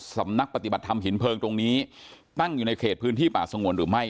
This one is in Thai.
สำนักปฏิบัติธรรมหินเพลิงตรงนี้ตั้งอยู่ในเขตพื้นที่ป่าสงวนหรือไม่